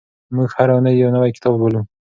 موږ هره اونۍ یو نوی کتاب لولو.